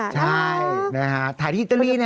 ใช่นะฮะถ่ายที่อิตาลีนะ